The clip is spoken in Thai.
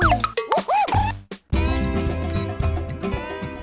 กั้นเสียที่ไหนค่ะ